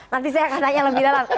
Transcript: nanti saya akan tanya lebih dalam